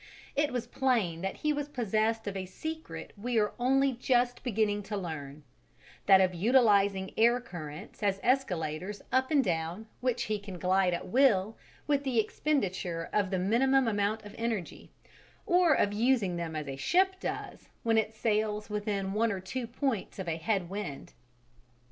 It was plain that he was possessed of a secret we are only just beginning to learn that of utilizing air currents as escalators up and down which he can glide at will with the expenditure of the minimum amount of energy, or of using them as a ship does when it sails within one or two points of a head wind.